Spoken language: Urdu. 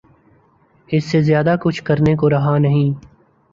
اس سے زیادہ کچھ کرنے کو رہا نہیں۔